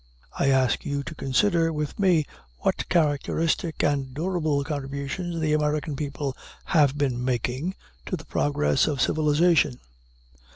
I ask you to consider with me what characteristic and durable contributions the American people have been making to the progress of civilization.